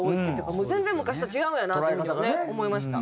もう全然昔と違うんやなって思いました。